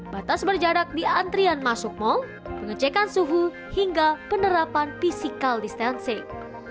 batas berjarak di antrian masuk mall pengecekan suhu hingga penerapan physical distancing